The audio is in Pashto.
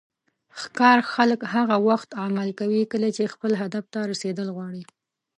ښکار خلک هغه وخت عمل کوي کله چې خپل هدف ته رسیدل غواړي.